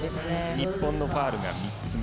日本のファウルが３つ目。